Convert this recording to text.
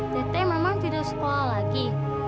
tete memang tidak sekolah lagi